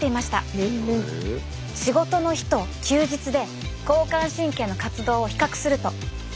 仕事の日と休日で交感神経の活動を比較すると。